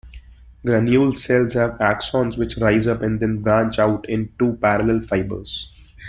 Granule cells have axons which rise up and then branch out into parallel fibers.